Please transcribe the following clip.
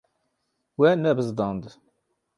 We nebizdand.